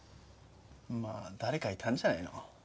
まあ誰かいたんじゃないの？